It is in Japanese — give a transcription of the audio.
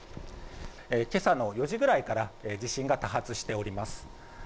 けさの４時くらいから地震は多発しております。